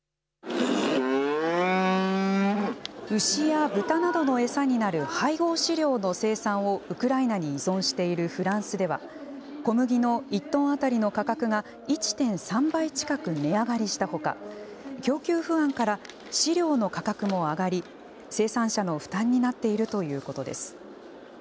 牛や豚などの餌になる配合飼料の生産をウクライナに依存しているフランスでは小麦の１トン当たりの価格が１．３倍近く値上がりしたほか供給不安から飼料の価格も上がり生産者の負担になっているということです。